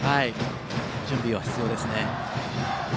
準備は必要ですね。